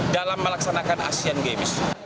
dalam melaksanakan asian games